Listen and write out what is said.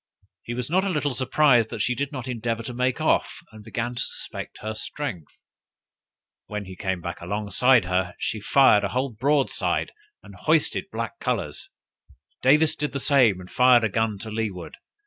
He was not a little surprised that she did not endeavor to make off, and began to suspect her strength. When he came alongside of her, she fired a whole broadside, and hoisted black colors. Davis did the same, and fired a gun to leeward.